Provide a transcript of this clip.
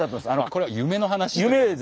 これは夢の話。